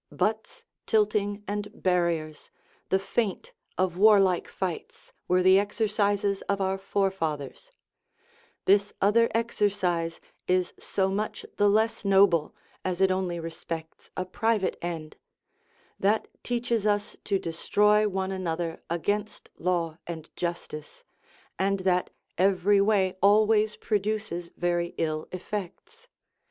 ] Butts, tilting, and barriers, the feint of warlike fights, were the exercises of our forefathers: this other exercise is so much the less noble, as it only respects a private end; that teaches us to destroy one another against law and justice, and that every way always produces very ill effects.